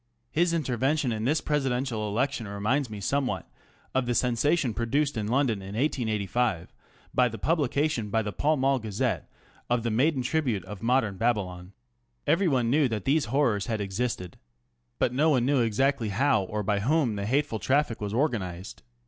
His intervention in this Presidential Election reminds me somewhat of the sensation produced in London in 1885 DV tne publication by the Pall Mall Gazette of " The Maiden Tribute of Modern Babylon." Everyone knew that these horrors had existed. But no one knew exactly how or by whom the hateful traffic was organised.